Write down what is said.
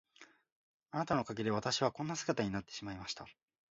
あなたのおかげで私はこんな姿になってしまいました。